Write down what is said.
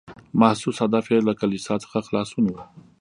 محسوس هدف یې له کلیسا څخه خلاصون و.